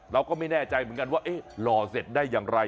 เราก็ไม่แน่ใจเหมือนกันว่าเอ๊ะหล่อเสร็จได้อย่างไร